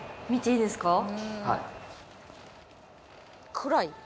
「暗い」